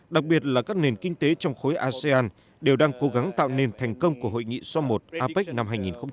đặc biệt là các nền kinh tế trong khối asean đều đang cố gắng tạo nền thành công của hội nghị som một apec năm hai nghìn một mươi bảy